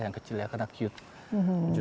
yang kecil ya karena cute lucu